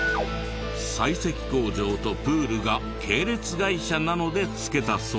砕石工場とプールが系列会社なので付けたそうで。